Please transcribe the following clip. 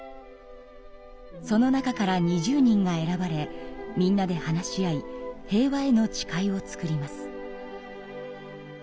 その中から２０人が選ばれみんなで話し合い「平和への誓い」を作ります。